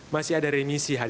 masih ada remisi hari kemarin